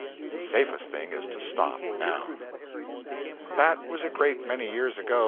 The safest thing is to stop now." That was a great many years ago.